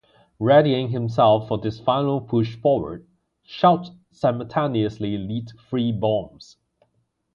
Readying himself for this final push forward, Shout simultaneously lit three bombs.